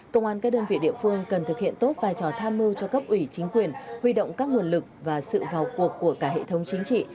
công an các đơn vị địa phương cần thực hiện tốt vai trò tham mưu cho cấp ủy chính quyền huy động các nguồn lực và sự vào cuộc của cả hệ thống chính trị